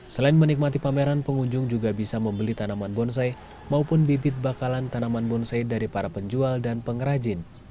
selain menikmati pameran pengunjung juga bisa membeli tanaman bonsai maupun bibit bakalan tanaman bonsai dari para penjual dan pengrajin